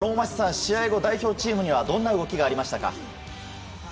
大町さん、試合後代表チームにはどんな動きがありましたか？